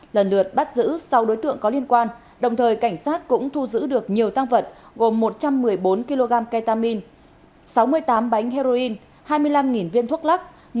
lần lượt bắt giữ sau đối tượng có liên quan đồng thời cảnh sát cũng thu giữ được nhiều tăng vật gồm một trăm một mươi bốn kg ketamine sáu mươi tám bánh heroin hai mươi năm viên thuốc lắc